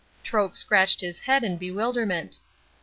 Troke scratched his head in bewilderment.